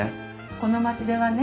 この町ではね